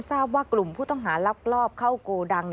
ทราบว่ากลุ่มผู้ต้องหาลักลอบเข้าโกดัง